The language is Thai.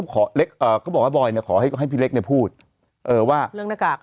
เขาบอกว่าบอยขอให้พี่เล็กพูดแล้วว่าเรื่องหน้ากาก